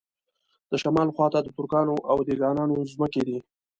د شمال خواته د ترکانو او دېګانانو ځمکې دي.